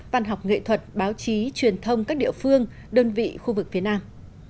văn học nghệ thuật báo chí truyền thông các địa phương đơn vị khu vực phía nam